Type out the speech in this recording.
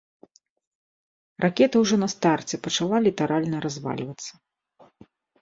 Ракета ўжо на старце пачала літаральна развальвацца.